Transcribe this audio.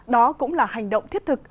đó cũng là hành động thiết thực